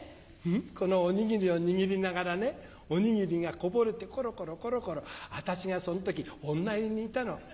このおにぎりを握りながらねおにぎりがこぼれてコロコロ私がその時女湯にいたの。